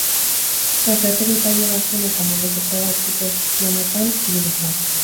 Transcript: Nazioarteko epaile bazen eta munduko proba entzutetsuenetan ibili zen.